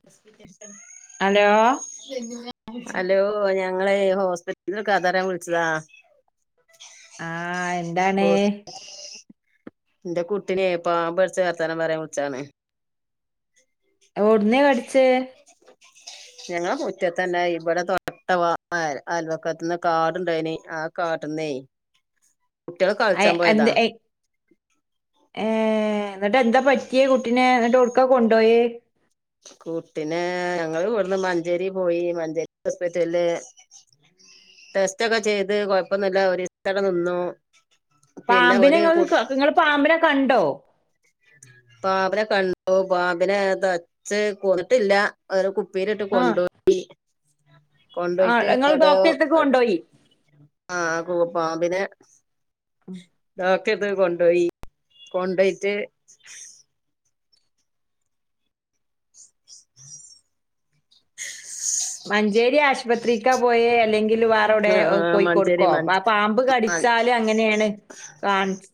[unintelligible] Hello hello ഞങ്ങളെ ഹോസ്പിറ്റലിലെ കഥയറിയാൻ വിളിച്ചതാ ആഹ് എന്താണ് ഇന്റെ കുട്ടിനെ പാമ്പ് കടിച്ച വർത്താനം പറയാൻ വിളിച്ചതാണ് എവുടുന്നാ കടിച്ചേ ഞങ്ങളെ മുറ്റത്ത് തന്നെ ഇവിടെ തൊട്ടവ അൽവക്കത്ത്ന്ന് കാട്ണ്ടായിനി ആ- കാട്ന്നെ അയ് എന്തേ എ ഏ എന്നിട്ട് എന്താ പറ്റിയെ കുട്ടിനേ ന്ന്ട്ടൊ [unintelligible] ട് എവിടേക്കാ കൊണ്ടോയേ കൂട്ടിന് ഞങ്ങള് ഇവിട്ന്ന് മഞ്ചേരി പോയി മഞ്ചേരി ഹോസ്പിറ്റലില് - ടെസ്റ്റൊക്കെ ചെയ്ത് കൊഴപ്പയൊന്നുംയില്ല ഒരു ദിവസത്തേക്ക് അവിടെ നിന്നു പിന്നെ പാമ്പിനെ ഓല് കു ഇങ്ങള് ഇങ്ങള് പാമ്പിനെ കണ്ടോ പാമ്പിനെ കണ്ടു പാമ്പിനെ തച്ച് കൊന്നിട്ടില്ല ഒരു കുപ്പിയിട്ട് ആ കൊണ്ടോയി ആ കൊണ്ടോയിട്ട് നിങ്ങൾ എവിടെയോ ഡോക്ടറെ അടുത്തേക്ക് കൊണ്ടുപോയി ആഹ് കു പാമ്പിനെ- ഉം ഡോക്ടെ പോയി കൊണ്ടോയി കൊണ്ടോയിട്ട് - ഉം മഞ്ചേരി ആശുപത്രിക്കാ പോയെ അല്ലെങ്കിൽ വ ട്ടൊടെ അഹ് ആഹ് മഞ്ചേരി കോയിക്കോട്ക്കൊ മ ആ പാമ്പ് കടിച്ചാല് അങ്ങനെണ് കാണ്ച്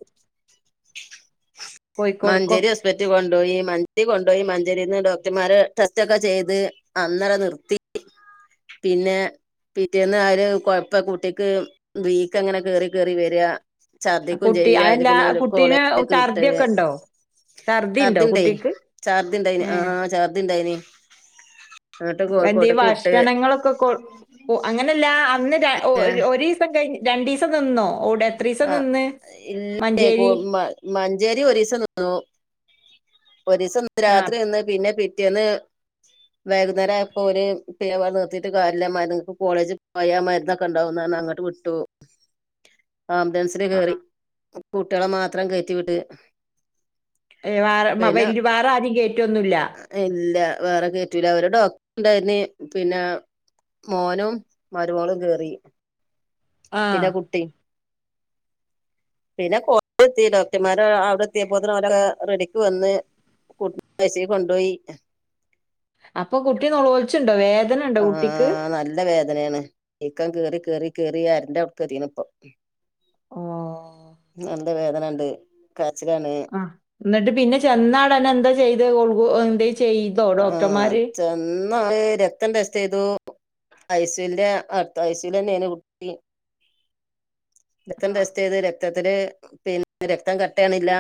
കോഴിക്കോടുക്കോ മഞ്ചേരി ഹോസ്പെറ്റ് കൊണ്ടോയി മണ്ടി കൊണ്ടോയി മഞ്ചേരീന്ന് ഡോക്ടമ്മാരെ ടെസ്റ്റ് ഒക്കെ ചെയ്ത് അന്നടെ നിർത്തി പിന്നെ പിറ്റേന്ന് ആര് കൊയപ്പം കുട്ടിക്ക് വീക്കങ്ങനെ കേറി കേറി വെരാ ആ ഛർദ്ദിക്കും കുട്ടി ചെയ്യാ അയില് അതല്ല പിന്നെ ആ ഓല് കുട്ടീനെ കോളേജ്ക്ക് വിട്ട് ഛർദിയൊക്കെ ഉണ്ടോ ഛർദി ഉണ്ടോ ചർദ്ദിണ്ടെ കുട്ടിക്ക് ഛർദിണ്ടെയിന് ഏ ആഹ് ഛർദിണ്ടേയ്നി എന്തേം ഭക്ഷണങ്ങളൊക്കെ കൊ അങ്ങനെല്ല അന്ന് രാ ഏഹ് ഒര് ഒരീ ഇപ്പം കയിഞ്ഞ് രണ്ടീസം നിന്നോഒടെത്രീസം ആഹ് നിന്ന് ഇല്ലേ മഞ്ചേരി മഞ്ചേരി ഒരീസം നിന്നു ഒരീസം ആഹ് രാത്രി നിന്ന് പിന്നെ പിറ്റേന്ന് വൈകുന്നേരായപ്പോ ഓല് പിന്നെ വടെ നിർതീട്ട് കാര്യല്ല മര് കോളേജ് പോയാ മരുന്നൊക്കെണ്ടാവുന്നർഞ് അങ്ങട്ട് വിട്ടു ആംബുലൻസില് കേറി ആഹ് കുട്ട്യളെ മാത്രം കേറ്റി വിട് ഏ വാറെ മ വല്യ വാറെ ആരിം കേറ്റൊന്നുല്ല ഏ ഇല്ല വേറെ കേറ്റൂല ഒരു ഡോക്ടട്ണ്ടായ്നി പിന്നെ മോനും മരോളും കേറി ആഹ്. പിന്നെ കുട്ടിം പിന്നെ കോളേജ് എത്തി ഡോക്ടർമാരെ അവ്ടെ എത്യേപ്പോത്തിന് ഓലൊക്കെ റെഡിക്ക് വന്ന് കുട്ടിനെ ഐസി ക്കൊണ്ടോയി അപ്പൊ കുട്ടി ന്നൊളോൾച്ണ്ടോ വേദനണ്ടോ കുട്ടിക്ക് ആഹ് നല്ല വേദനേണ് വീക്കം കേറി കേറി കേറി അരന്റെ അവ്ട്ക്കെത്തീക്ക്ണ്പ്പൊ ഓ നല്ല വേദനണ്ട് കാരചിലാണ് ആ ന്ന്ട്ട് പിന്നെ ചെന്നാടന്നെ എന്താ ചെയ്ത് കുളുകു എന്തേം ചെയ്തോ ഡോക്ടർമാര് ഇന്നാണ് രക്തം ടെസ്റ്റെയ്തു ഐസുവിന്റെ അടുത്ത ഐസുവിൽ തന്നെനു കു രക്തം ആഹ്. ടെസ്റ്റെയ്ത് രക്തത്തില് പിന്നെ രക്തം കട്ടാക്ണില്ല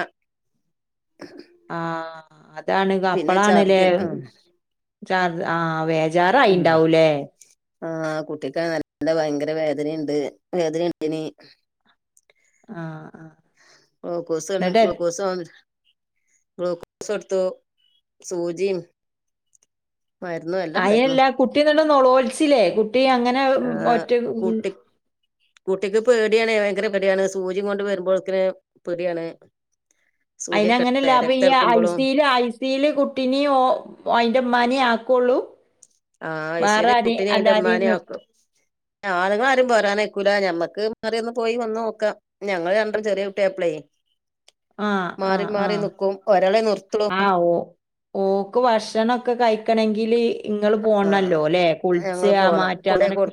ആഹ് അതാണ് അപ്പളാണ്ലെ ഛർദി ഉം ചർ ആ വേദ ഉം ആഹ് കുട്ടിക്കാണേ നല്ല ഭയങ്കര വേദനീണ്ട് വേദനിണ്ടയ്നി ആഹ് ആഹ്. ഗ്ലൂക്കോസൊന്ന് ന്നിട്ട് ഗ്ലൂക്കോസ് ആണ് ഗ്ലൂക്കോസോട്ത്തു സൂജിം മരുന്നോയ് അയല്ല കുട്ടിന്ന്ട്ട് ന്നൊളോൾചിലെ കുട്ടി അങ്ങനെ ഉം, ആഹ് ഒറ്റ ഉം, കുട്ടി കുട്ടിക്ക് പേടിയാണെ ഭയങ്കര പേടിയാണ് സൂചിം കൊണ്ട് വരുമ്പോഴെക്ക്ണ് പേടിയാണ് അതിന് സൂചിയൊക്കെ അങ്ങനല്ല അപ്പൊ രക്തം ഈ എടുക്കുമ്പോഴും ഐസില് സില്കുട്ടീനെ ഓ അതിന്റുമ്മാനേ ആക്കുള്ളൂ ആഹ് ഐ സി വേറെ യു ആരെയും കുട്ടിനെയും അയിന്റെ അല്ലാരെയും ഉമ്മാനെയും ആക്കും നിർത്തും ആണുങ്ങളാരും പോരാൻ നിക്കൂല ഞമ്മക്ക് മാറിയൊന്ന് പോയി വന്ന് നോക്കാം ഞങ്ങള് രണ്ട് ചെറിയ കുട്ടിയാപ്പളെ ആ ആ മാറി ആ മാറി നിക്കും ഒരാളെ നിർത്തുളൂ ആ ഓ ഓക്ക് ഭക്ഷണൊക്കെ കഴിക്കണങ്കില് ഇങ്ങള് ആ പോണല്ലോ ല്ലേ കുളിച്ച് ഞങ്ങള് ആ മാറ്റം അങ്ങനൊക്കെ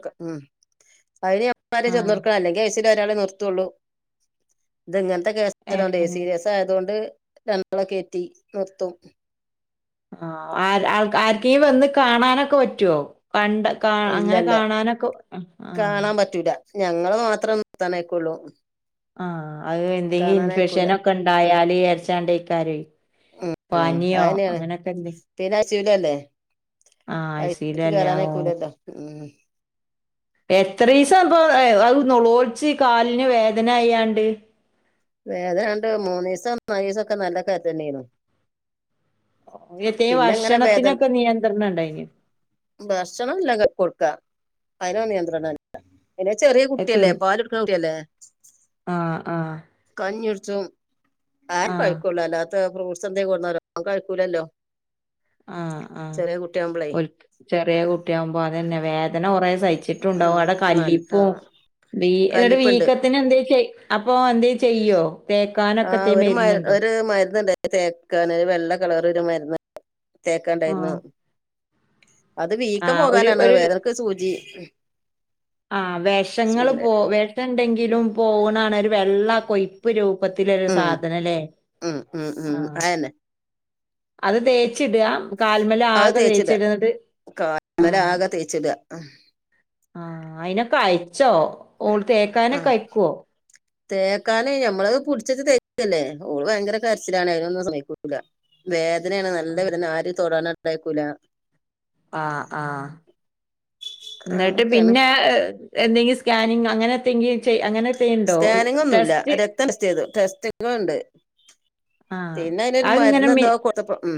അയില് ഇപ്പര് ആ ചെന്ന് കൊട്കണം അല്ലെങ്കി എ സി ഒരാളെ നിർത്തുള്ളൂ ഇത് ഇങ്ങനത്തെ കേസ് ഏ ആയോണ്ടെ സീരിയസ് ഇത് ആയതോണ്ട് രണ്ടാളെ കേറ്റി നിർത്തും ആര് ആർക്കെങ്കിലും വന്ന് കാണാൻ ക്കെ പറ്റുവോ കണ്ട് കാ അങ്ങനെ ഇല്ലല്ല കാണാനൊക്ക് ആഹ് കാണാൻ പറ്റൂല ഞങ്ങള് മാത്രം നിർത്താനയിക്കൊള്ളൂ ആഹ് അത് എന്തെങ്കിലും ഇൻഫെക്ഷനൊക്കെ ണ്ടായാല് യാര് ചൈ ണ്ടെയ് കാരെയ് ഉം ഉം അങ്ങനെയാണ് പിന്നെ സിവലല്ലേ ആഹ് ഐ സി യുല് അല്ലേ ഓഹ് [unintelligible] എത്ര ദിവസാ അപ്പം അത് നുളോഴച്ച് കാലിന് വേദന അയ്യാണ്ട് വേദന രണ്ട് മൂന്ന് ദിവസം നാല് ദിവസം ഒക്കെ നല്ല വേദന തന്നെയായിരുന്നു ഇനിയിപ്പം ഈ ഇങ്ങനെ വേദന ഭക്ഷണത്തിനൊക്കെ നിയന്ത്രണം ഉണ്ടായിന് ഭക്ഷണം എല്ലാം കൊടുക്കാം അതിന് നിയന്ത്രണം ഇല്ല ഇത് ചെറിയ അത് കുട്ടിയല്ലേ തിൻ പാല് കൊടുക്കുന്ന കുട്ടിയല്ലേ ആഹ് ആഹ് കഞ്ഞി കുടിച്ചും ആഹ് കഴിക്കൊള്ളില്ല ഫ്രൂട്ട്സ് എന്തേലും കൊണ്ടന്നാലും അവൻ കഴിക്കൂലല്ലോ ആഹ് ആഹ് ചെറിയ കുട്ടിയാവുമ്പളേ ഓൽക്ക് ചെറിയ കുട്ടിയാകുമ്പോ അതന്നെ വേദന കുറേ സഹിച്ചിട്ടുണ്ടാവും ഉം അവിടെ നൽ കല്ലിപ്പും ആഹ് ഈ ഇതൊര് കല്ലിപ്പ്ണ്ട് വീക്കത്തിന് എന്താ ചെയ്യ് അപ്പൊ എന്ത്‌ ചെയ്യോ തേക്കാനൊക്കെ തേ മരുന്നുണ്ടോ മരുന്ന്ണ്ടായി തേക്കാന് വെള്ള കളറ് ഒരു മരുന്ന് തേക്കണ്ടായിരുന്നു ആഹ് അത് വീക്കം ആഹ് ഒരു പോകാനാണ് ഒരു വേറക്ക് സൂചി ആഹ് വിഷങ്ങള് സൂചിന്റെ പോ വിഷം എണ്ടെങ്കിലും പോകണാണ് ഒരു വെള്ള കൊയ് കൊഴമ്പ് രൂപത്തിലൊരു ഉം സാധനല്ലേ ഉം ഉം ഉം ആഹ് അതന്നെ അത് തേച്ചിടുക കാൽമേൽ അത് ആകെ തേച്ചിട തേയ്ച്ചിടുന്നിട്ട് കാലിന്മേല് ആഹ് ആകെ തേച്ചിട ഉം ആഹ് അയിനൊക്കെ അഴിച്ചോ ഓള് തേക്കാനൊക്കെ ആഹ് അഴിക്കുവോ [inaudible] തേക്കാന് ഞമ്മളത് പിടിച്ചിട്ട് തേക്കല്ലേ ഓള് ഭയങ്കര കരച്ചിലാണ് അതിനൊന്നും സമയിക്കൂല്ല വേദനയാണ് നല്ല വേദന ആര് തൊടാന് ഉണ്ടായിക്കൂല ആഹ് ആഹ് എന്നിട്ട് അങ്ങനൊക്കെയാണ് പിന്നെ എന്തെങ്കിലും സ്കാനിങ് അങ്ങനെ എത്തെങ്കി സ്കാനിങ് ഒന്നുമില്ല രക്തം ടെസ്റ്റ്‌ ചെയ്തു ടെസ്റ്റിഗ് ഉണ്ട് ആഹ് പിന്നെ അതിനൊരു അത്ങ്ങനെ മി മരുന്ന്താ കൊടുത്തപ്പം ഉം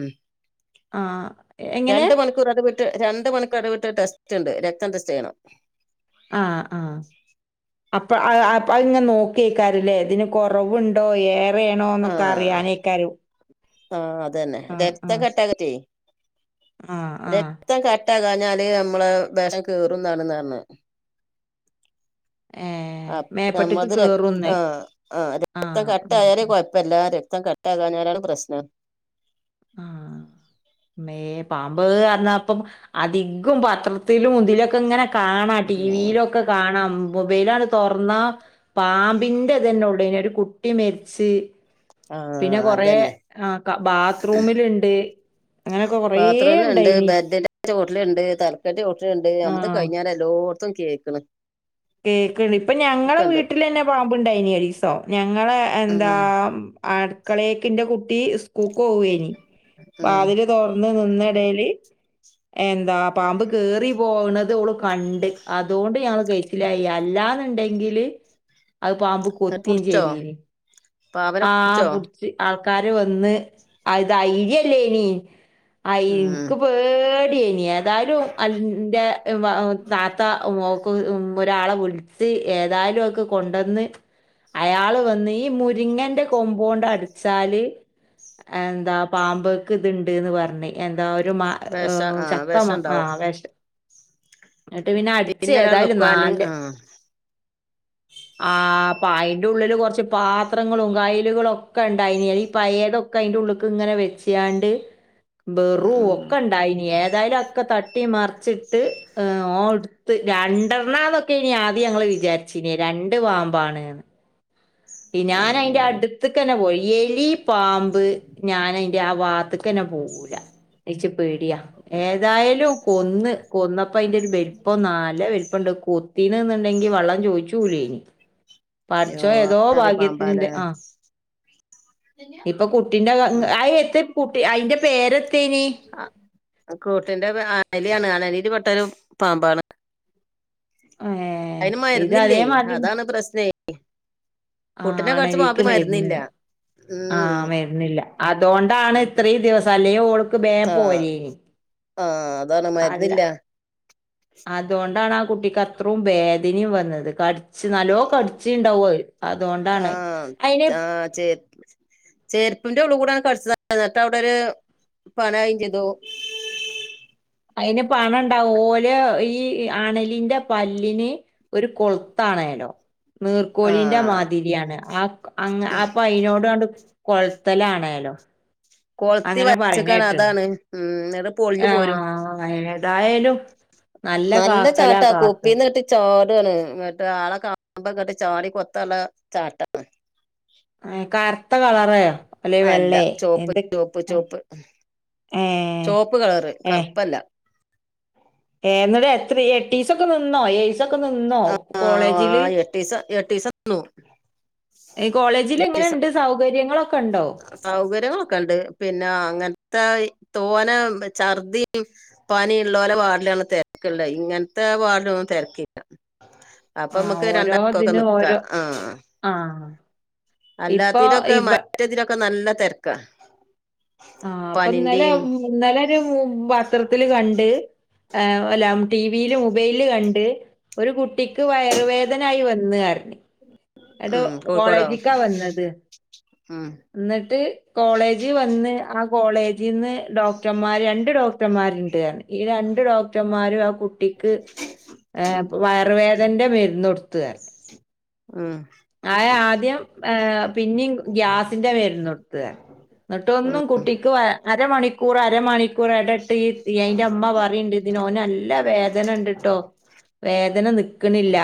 ആഹ് എങ്ങനെ ഒന്നിട വിട്ട് രണ്ട് മണിക്കൂർ ഇട വിട്ട് ടെസ്റ്റ് ഉണ്ട് രക്തം ടെസ്റ്റ് ചെയ്യണം ആഹ് ആഹ് അപ്പം അത് ഇങ്ങനെ നോക്കിയക്കാറല്ലേ ഇതിന് കൊറവുണ്ടോ ഏഹ് വേണോ എന്നൊക്കെ ആഹ് അറിയാനക്കാരം കെട്ടുവോക്കെ ചെയ്യും ആഹ ആ രം കററ്റാകഞ്ഞാല് നമ്മള വിഷം ക കേറുംതാണ്ന്ന് പറഞ്ഞ ഏഹ് അ മേപ്പട്ട്ക്ക് നമ്മത് ര കേറുംന്ന് ആഹ ആ രക്ത ആഹ് ആഹ് കട്ടായാല ആഹ് ഇപ്പ എല്ലാ രക്തം കട്ടാകാനാണ് പ്രശ്നം ആഹ് മേ പാമ്പ് അന്നപ്പം അധികം പത്രത്തിലും മുന്തിലൊക്കെ ഇങ്ങനെ കാണാം ടി ഉം വിയിലൊക്കെ കാണാം മൊബൈലാണ് തൊറന്ന പാമ്പിന്റെതന്നെ ഉള്ളനെ ഒരു കുട്ടി മരിച്ച് ആഹ് പിന്നെ കൊറ അതന്നെ ആ ബാത്ത്റൂമിലുണ്ട് ബാത്റൂമ ഉണ്ട് ബെഡിന്റെ ഹോട്ടല ഉണ്ട് തലക്കാലന്റെ ഹോട്ടല ഉണ്ട് നമത് ആഹ് കഴിഞ്ഞ എല്ലോർത്തും കേക്കണം കേക്ക ഇപ്പൊ ഞങ്ങള വീട്ടിൽന്നെ പാമ്പുണ്ടായിന അരീസോ ഞങ്ങള ഉം എന്താ അടുക്കളേക്കിന്റെ കുട്ടി സ്കൂക്ക് പോവേനി ഉം അതില് റ നിന്നടൽ എന്താ പാമ്പ് കേറി പോകണത് ഓള് ക കണ്ട് അതുകൊണ്ട് ഞങ്ങള് കഴസിലായി അല്ലാന്നുണ്ടെങ്കില് അത് പാമ്പ് അത് കൊത്തിയും പുടിച്ചോ ചെയ്തന് പാവനെ ആ പുടിച്ചോ പിടിച്ച് ആൾക്കാര് വന്ന് അത് ധൈര്യല്ലേ ഇനീ ആ ഉം ഇൻക്ക് പേട്യേനി എതായാലും അ ന്റെ വ താത്ത ഓക്ക് ഒരാളെ വിൾ ച്ച് ഏതായാലും അഒക്കെ കൊണ്ടന്ന് അയാള് വന്ന് ഈ മു രിങ്ങന്റെ കൊമ്പോണ്ട് അടിച്ചാല് എന്താ പാമ്പേക്ക് ഇത്ണ്ട്ന്ന് പർഞ്ഞ് എന്താ ഒരു മ വെഷം ആഹ് ചക്കമ വെഷണ്ടാവും ആഹ് വെഷം ഇന്നട്ട് പിന്നെ അട്ച്ച് ഒരാൾ ഏതായാലും നിക്കുവാന് നാലെ ആഹ് ആ പ അയ്ന്റെ ഉള്ളില് കൊർച്ച് പാ ത്രങ്ങളും കയ്ലുകളും ഒക്കെ ഉണ്ടായ്നി. ഈ പയേതൊക്കെ അയിന്റെ ഉള്ള് ക്ക് ഇങ്ങനെ വെച്ചാണ്ട് ബെറു ഉം ഒക്കെ ഇണ്ടായിനി ഏതായാലും അതൊക്കെ തട്ടി മറിച്ചിട്ട് ഓൻ ഇട് ത്ത്. രണ്ടെർണ്ണാന്നൊക്കെനി ആദ്യം ഞങ്ങള് വിചാരിച്ചീന്യേ രണ്ട് പാമ്പാണ് ന്ന് ഞാൻ അയിന്റെ ഉം അടുത്തക്കന്നെ പോയി എലി പാമ്പ് ഞാനയ് ൻ്റെ ആ വാത്ത്ക്കന്നെ പോവൂല അതിച്ചി പേടിയാ. ഏതായാലും കൊന്ന് കൊന്നപ്പയിന്റൊരു ബെൽപ്പം നാല്ല വെൽ പ്പണ്ട്. കൊത്തിന് ന്നുണ്ടെങ്കി വെള്ളം ചോയിച്ചൂലേനി യോ പടച്ചോൻ ഏതോ അതൊരു ഭാഗ്യത്തിന് പാമ്പാലേ ൻ്റെ ആഹ് ഇപ്പൊ കുട്ടിൻ്റെ ക ഉം അത് എത്തേ കുട്ടി അയിൻ്റെ പേരെത്തേനി അ കൂട്ടിന്റെ പേ അനലിയാണ് അണലീല് പെട്ടൊരു പാമ്പാണ്. ഏഹ് അയിന് ഇത് മരുന്നില്ലേ അതേമാതിരി അതാണ് പ്രസ്നേ ആ കുട്ടിനെ കട്ച്ച പാമ്പ് മരുന്നില്ല ആഹ് ഉം വര്ന്നില്ല അതോണ്ടാണ് ഇത്രയും ദിവസം അല്ലേ ഓൾക്ക് ബേം ആഹ് പോരേനി ആഹ് അതാണ് അല്ല മര്ന്നില്ല അതോണ്ടാണ് ആ കുട്ടിക്ക് അത്രും വേദനിം വന്നത്. കട് ച്ച് നല്ലോ കടിച്ച് ണ്ടാവു അത്. അതോണ്ടാണത് ആഹ് അയിനത് ആഹ് ചേ ചേര്പ്പിന്റെ ഉള്ള് കൂടെണ് കടിച്ചതാ ഇന്നട്ട വ്ടെ ഒരു പണായിം ചെയ്തു. അയിന് പണണ്ടാവു ഓല് ഈ അണലിന്റെ പല്ലിന് ഒരു കൊൾത്താണേലോ നീർക്കോലിന്റെ ആഹ് മാതിരിയാണ്. ആ അങ് അപ്പൊ അയിനോടാണ്ട് കൊൾത്തെലാണേലോ കൊൾത്തി വൽച്ചക്കാണ് അതാണ് ഉം ന്നട്ട് ആഹ് ഏതായേലും നല്ല ചാട്ടാ കുപ്പീന്ന്ട്ടി ചാടാണ്. ന്നട്ട് ആളെ കാണുമ്പങ്ങട്ട് ചാടി കൊത്താല്ല ചാട്ടാ. കർത്ത കളറ് അല്ലെ അല്ല വെള്ളേ ചോപ്പ് എന്ത് ചോപ്പ് ഉം. ചോപ്പ് ഏ ചോപ്പ് കളറ് കർപ്പല്ല ഏഹ് ഇന്നട്ട് എത്രീ എട്ടീസൊക്ക നിന്നോ ഏഴീസൊക്കെ നിന്നോ കോളേജില് ച് എട്ടീസം ന്നു എഹ് എട്ടീസം കോളേജിലെങ്ങനണ്ട്? സൗകര്യങ്ങളൊക്കണ്ടോ? സൗകര്യങ്ങളൊക്കെ ഇണ്ട്. പിന്നെ അങ്ങൻത്തെ തോന ഛർദ്ധി പനിം ഇള്ളോലെ വാർഡിലാണ് തെര്ക്ക്ള്ളെ ഇങ്ങൻത്തെ വാർഡിലൊന്നും തെര്ക്കില്ല ആ അപ്പമ്മക്ക് ഓരോ രണ്ടാക്കൊക്കെ ഇതിന് ന്ക്കാ ഓരോ ആഹ് ആഹ് ഇപ്പൊ ഇബ മറ്റ ഇതിലൊക്കെ നല്ല തെര്ക്കാ ആഹ് പ്പം ഇന്നലെ ഇന്നലൊരു പത്രത്തില് കണ്ട് അല്ലാം ടിവിയില് മുബൈല് ല് കണ്ട് ഒരു കുട്ടിക്ക് വയറുവേദനായി വന്ന് പർഞ്. ന്നട്ടോ ഉം കോഴിക്കോടോ കോളേജിക്കാ വന്നത് ഉം ഇന്നട്ട് കോളേജ് വന്ന് ആ കോളേജിന്ന് ഡോക്ടർമാര് രണ്ട് ഡോക്ടർമാരുണ്ട് പർഞ് ഈ രണ്ട് ഡോക്ടർമാരും ആ കുട്ടിക്ക് ഏഹ് ഉം വയറുവേദൻന്റെ മരുന്ന് കൊട്ത്ത് ർന്ന്. ഉം ആഹ് ആദ്യം ഏഹ് പിന്നും ഗ്യാസിന്റെ മരുന്നൊടുത്ത് എന്നിട്ടൊന്നും കുട്ടിക്ക് അരമണിക്കൂർ അരമണി മിക്കൂറെ ഇട വിട്ട് ഈ അയിന്റെ ഇമ്മ പറീണ്ട് ഇതിന് ഓനല്ല വേദന ഉണ്ട്ട്ടോ വേദന നിൽക്കണില്ല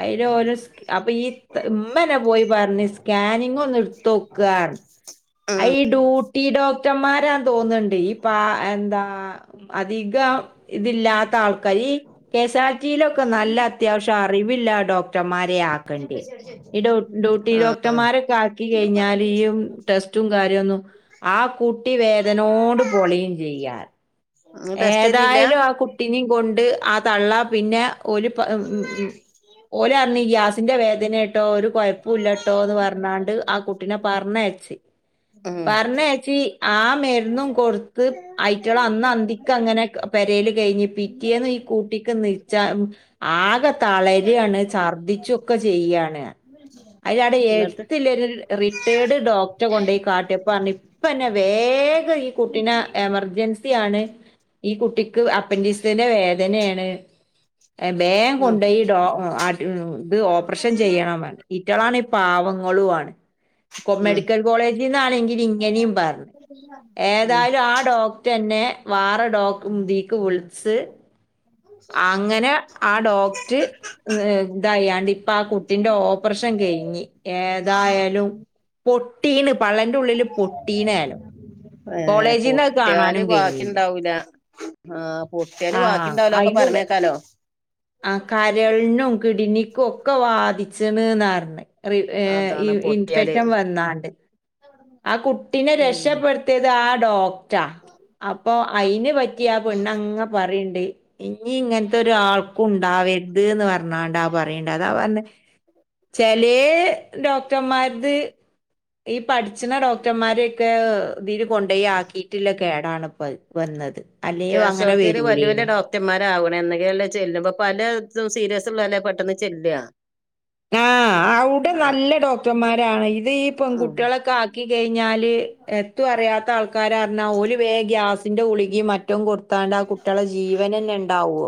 അതിൽ ലോരോ അപ്പൊ ഈ ഇമ്മനെ പോയി പറഞ്ഞ് സ്കാനിങ്ങ ഒന്ന് എടുത്തോക്ക ഡ്യൂട്ടി ഡോക്ടർമാരാ തോന്നുന്നുണ്ട് ഇപ്പ എന്താ അധികം ഇതില്ലാത്ത ആൾക്കരി ഈ കേസ്വാളിറ്റിയിലൊക്കെ നല്ല അത്യാവശ്യം അറിവില്ല ഡോക്ടർമാരെയ അക്കണ്ട ഈ ഡ്യൂട്ടി ആഹ് ഡോക്ടർമാരൊക്കെ ആക്കി കഴിഞ്ഞാൽ ഈയ് ടെസ്റ്റും കാര്യന്നും ആഹ് കുട്ടി വേദനോട് പൊളയും ചെയ്യാ ഇങ്ങള് ടെസ്റ്റ് ചെയ്തില്ല ഏതായാലും ആഹ് കുട്ടിനും കൊണ്ട് ആഹ് തള്ള പിന്നെ ഒരു പ ഉം ഉം ഓലെറിഞ്ഞ ഈ ഗ്യാസിന്റെ വേദനയട്ടോ ഒരു കുഴപ്പ ഇല്ലട്ടോ എന്ന് പറഞ്ഞാണ്ട് കുട്ടിനെ പറഞ്ഞയച്ചി ഉം പറഞ്ഞച്ചി ആഹ് മരുന്നും കൊടുത്ത് ആയിറ്റിക്കള അന്ന് അന്തി അങ്ങനെ പെരൽ കഴിഞ് പിറ്റേന്ന് ഈ കൂട്ടിക്ക് നിച്ച ആകെ തളരയാണ് ഛർദിച്ചുക്കെ ചെയ്യണ് അതി അവിടെ എന്നിട്ട് ഏട്ത്തില്ല റിട്ടേർഡ് ഡോക്ടറെ കൊണ്ടയി കാട്ടിയപ്പണ് പ്പന്നെ വേഗം ഈ കുട്ടിനെ എമർജൻസി ആണ് ഈ കുട്ടിക്ക് അപ്പൻഡിക്സിന്റെ വേദനയാണ് വേഗം ഉം കൊണ്ടോയി ഡോ ഇത് ഓപ്പറേഷൻ ചെയ്യണം ഇറ്റളാണ് പാവങ്ങളു ആണ് കൊ ഉം മെഡിക്കൽ കോളേജിൽന്നാണെങ്കിൽ ഇങ്ങനെയും പറഞ് ഉം ഏതായാലും ആഹ് ഡോക്ടറന്നെ വാറ ഡോ ഇതിക്ക് വിളിച്ച് അങ്ങനെ ആഹ് ഡോക്റ്റ്റ് ഇതായാണ്ട് ഇപ്പൊ ആഹ് കുട്ടിന്റെ ഓപ്പറേഷൻ കഴിഞ് ഏതായാലും പൊട്ടീന് പള്ളന്റെ ഉള്ളില് പൊട്ടീനെലോ ഏഹ് പൊട്ടിയല് ബാക്കി കഴിഞ്ഞില്ല ഉണ്ടാവൂല ആഹ് പൊട്ടിയാല് ആ വാക്കിണ്ടാവുല ഒക്കെ പറഞ്ഞേക്കാലോ ആഹ് കരളിനും കിടിനിക്കും ക്കെ വാദിച്ചണ്ന്ന് പറഞ് അതാണ് പൊട്ടിയാല് ഇൻഫെക്ഷൻ വന്നാണ്ട് ആഹ് കുട്ടിനെ ഉം രക്ഷപ്പെടുത്തിയത് ആഹ് ഡോക്ടർ അപ്പൊ അയിന് പറ്റി ആഹ് പെണ്ണങ്ങ പറയണ്ട് ഇനി ഇങ്ങനത്തെ ഒരു ആൾക്കുണ്ടാവരുത് പറഞ്ഞാണ്ടാ പറണ്ട അതാ പറഞ്ഞെ ചെലേ ഡോക്ടർമാരുത് ഈ പഠിച്ച്ണ ഡോക്ടർമാരൊക്കെ ഇീര് കൊണ്ടേ ആക്കി ട്ട്ള്ള കേടാണ് ഇപ്പം വന്നത് അല്ലെങ്കിൽ അങ്ങനെ വരൂലനി ഡോകറ്റന്മാരാവണ എന്നൊക്കല്ലാം ചെല്ല പലതും സീരിയസ് ഉള്ളതല്ല പെട്ടെന്ന് ചെല്ല ആഹ് അവിടെ നല്ല ഡോക്ടർമാരാണ് ഇത് ഈ ആ പെൺകുട്ടികളൊക്കെ ആ ക്കി കഴിഞ്ഞാല് എത്തും അറിയാത്ത ആൾക്കാരറിഞ്ഞാൽ ഒരു വേം ഗ്യാസിന്റെ ഗുളികി മറ്റു കൊടു ത്താണ്ട് ആഹ് കുട്ടികളെ ജീവൻ തന്നെ ഉണ്ടാവുമോ